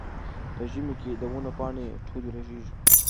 په ژمي کې د ونو پاڼې ټولې رژېږي.